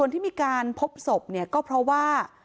ที่มีการพบศพเนี่ยก็เพราะว่า